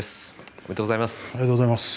ありがとうございます。